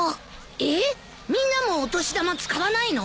えっみんなもお年玉使わないの？